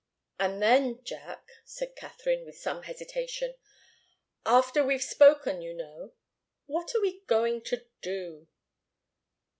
"And then Jack," said Katharine, with some hesitation, "after we've spoken, you know what are we going to do?"